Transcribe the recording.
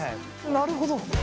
なるほど。